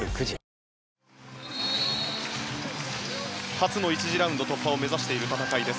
初の１次ラウンド突破を目指している戦いです。